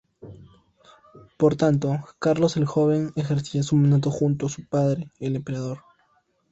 Por tanto, Carlos el Joven ejercía su mandato junto a su padre, el emperador.